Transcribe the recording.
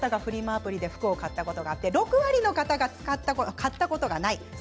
アプリを使ったことがあって６割の方がフリマアプリで買ったことがない。